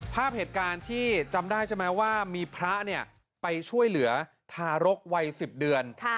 ภาพเหตุการณ์ที่จำได้ใช่ไหมว่ามีพระไปช่วยเหลือทารกวัย๑๐เดือน